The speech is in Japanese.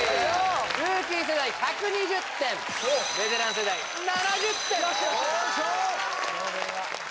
ルーキー世代１２０点ベテラン世代７０点・よいしょー！